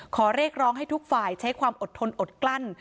ขอเรียกร้องให้ทุกฝ่ายใช้ความอดทนอดกลั้น